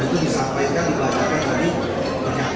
itu disampaikan sebelumnya ke ketua umum partai golkar